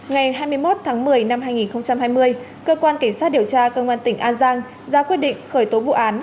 ngày hai mươi một tháng một mươi năm hai nghìn hai mươi cơ quan cảnh sát điều tra công an tỉnh an giang ra quyết định khởi tố vụ án